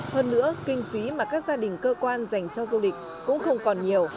hơn nữa kinh phí mà các gia đình cơ quan dành cho du lịch cũng không còn nhiều